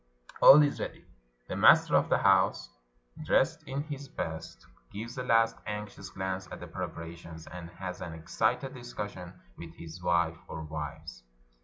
All is ready; the master of the house, dressed in his best, gives a last anxious glance at the preparations, and has an excited discussion with his wife or wives.